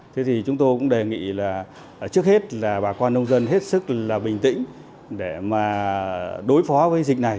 thế thì chúng tôi cũng đề nghị là trước hết là bà con nông dân hết sức là bình tĩnh để mà đối phó với dịch này